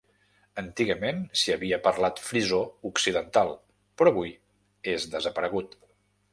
Antigament s'hi havia parlat frisó occidental, però avui és desaparegut.